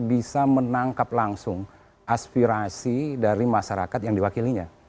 bisa menangkap langsung aspirasi dari masyarakat yang diwakilinya